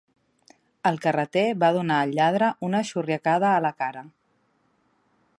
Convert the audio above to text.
El carreter va donar al lladre una xurriacada a la cara.